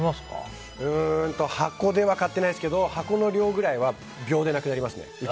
箱では買ってないですけど箱の量ぐらいは秒でなくなりますね。